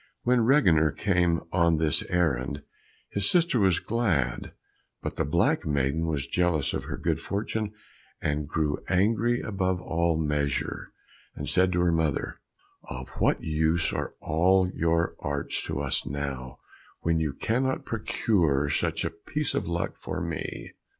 When Reginer came on this errand, his sister was glad, but the black maiden was jealous of her good fortune, and grew angry above all measure, and said to her mother, "Of what use are all your arts to us now when you cannot procure such a piece of luck for me?"